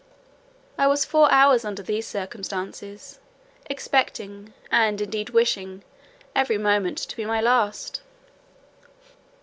I was four hours under these circumstances, expecting, and indeed wishing, every moment to be my last.